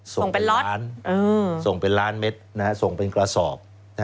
ส่งเป็นล้านส่งเป็นล้านเม็ดส่งเป็นกระสอบ